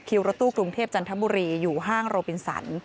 รถตู้กรุงเทพจันทบุรีอยู่ห้างโรบินสัน